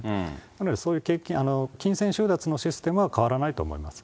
なので、そういう金銭収奪のシステムは変わらないと思います。